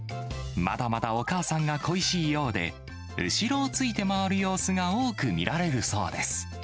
まだまだお母さんが恋しいようで、後ろをついて回る様子が多く見られるそうです。